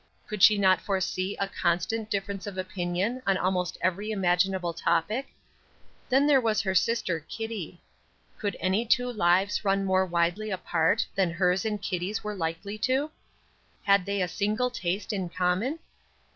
Could she not foresee a constant difference of opinion on almost every imaginable topic? Then there was her sister Kitty. Could any two lives run more widely apart than hers and Kitty's were likely to? Had they a single taste in common?